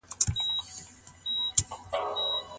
مېرمن د چا په اجازه له کوره وتلای سي؟